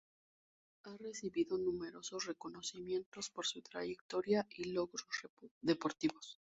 Ha recibido numerosos reconocimientos por su trayectoria y logros deportivos.